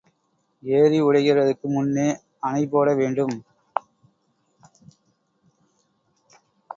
ஏரி உடைகிறதற்கு முன்னே அணை போட வேண்டும்.